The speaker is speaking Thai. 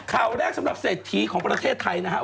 ข่าวแรกสำหรับเศรษฐีของประเทศไทยนะครับ